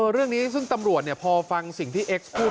เรื่องนี้ซึ่งตำรวจพอฟังสิ่งที่เอ็กซ์พูด